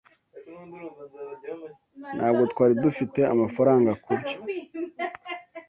Ntabwo twari dufite amafaranga kubyo.